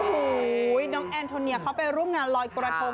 โอ้โหน้องแอนโทเนียเขาไปร่วมงานลอยกระทง